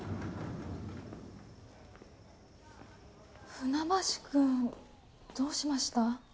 船橋くんどうしました？